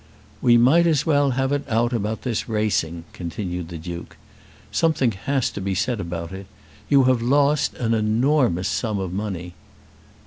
"We might as well have it out about this racing," continued the Duke. "Something has to be said about it. You have lost an enormous sum of money."